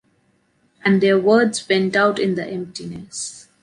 And their words went out in the emptiness.